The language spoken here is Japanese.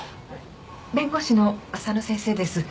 弁護士の浅野先生です。